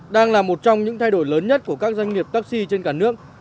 đang là một trong những thay đổi lớn nhất của các doanh nghiệp taxi trên cả nước